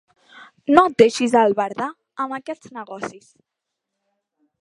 No et deixis albardar amb aquests negocis.